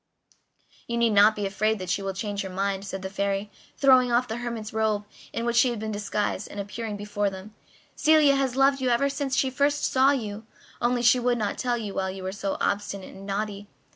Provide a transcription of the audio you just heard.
"You need not be afraid that she will change her mind," said the Fairy, throwing off the hermit's robe in which she had been disguised and appearing before them. "Celia has loved you ever since she first saw you, only she would not tell you while you were so obstinate and naughty.